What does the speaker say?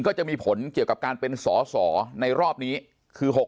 ก็จะมีผลเกี่ยวกับการเป็นสอสอในรอบนี้คือ๖๖